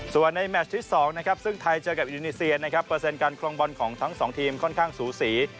ส่วนในแมชที่๒นะครับซึ่งไทยเจอกับอินโดนีเซียนะครับเปอร์เซ็นต์การคลองบอลของทั้งสองทีมค่อนข้างสูสี